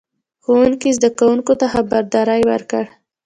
ښوونکي زده کوونکو ته خبرداری ورکړ.